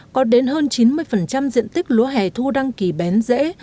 có đến hơn chín mươi diện tích lúa hẻ thu đăng kỳ bén rễ